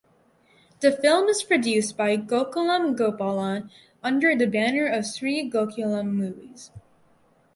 The film is produced by Gokulam Gopalan under the banner of Sree Gokulam Movies.